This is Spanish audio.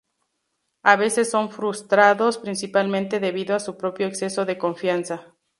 A veces son frustrados principalmente debido a su propio exceso de confianza.